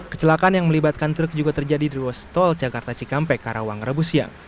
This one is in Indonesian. kecelakaan yang melibatkan truk juga terjadi di ruas tol jakarta cikampek karawang rabu siang